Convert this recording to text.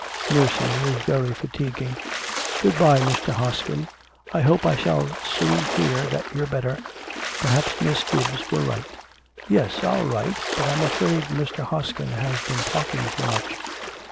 'Nursing is very fatiguing. ... Good bye, Mr. Hoskin. I hope I shall soon hear that you're better. Perhaps Miss Gibbs will write.' 'Yes, I'll write, but I'm afraid Mr. Hoskin has been talking too much.